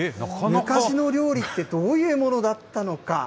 昔の料理ってどういうものだったのか。